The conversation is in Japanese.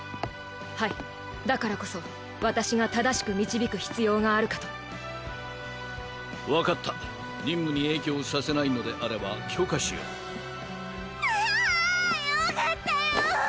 はいだからこそ私が正しく導く必要があるかと分かった任務に影響させないのであれば許可しよううわんよかったよ！